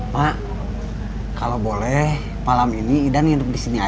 mak kalau boleh malam ini idan hidup disini aja